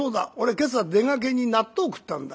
今朝出がけに納豆食ったんだ。